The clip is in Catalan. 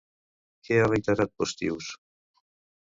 Què ha reiterat Postius?